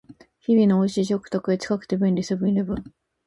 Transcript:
日本の美味しい食卓へ、近くて便利、セブンイレブン